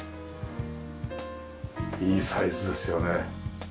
いいサイズですよね。